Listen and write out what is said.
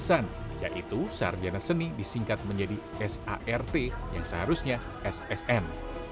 yang salah penunjukkan adalah penulisan yaitu sarjana seni disingkat menjadi sart yang seharusnya ssn